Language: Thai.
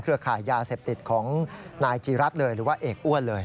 เครือข่ายยาเสบติดของนายจีรัตร์หรือเอกอ้วนเลย